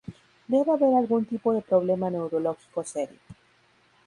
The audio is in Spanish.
Debe haber algún tipo de problema neurológico serio.